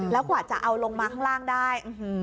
แล้วกว่าจะเอาลงมาข้างล่างได้